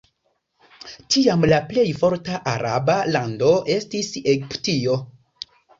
Tiam, la plej forta araba lando estis Egiptio.